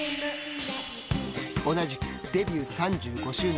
同じくデビュー３５周年